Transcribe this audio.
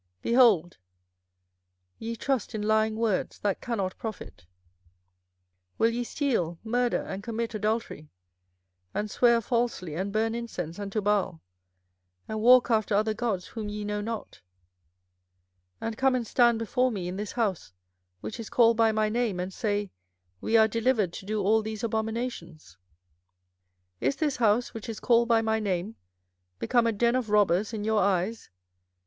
24:007:008 Behold, ye trust in lying words, that cannot profit. 24:007:009 Will ye steal, murder, and commit adultery, and swear falsely, and burn incense unto Baal, and walk after other gods whom ye know not; 24:007:010 And come and stand before me in this house, which is called by my name, and say, We are delivered to do all these abominations? 24:007:011 Is this house, which is called by my name, become a den of robbers in your eyes?